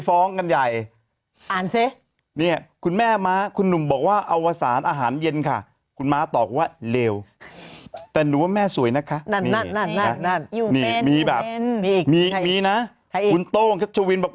ล่าสุดนี้ทุ่มสุดตัวบ้างเดี๋ยวกลับมาดูว่าเป็นยังไง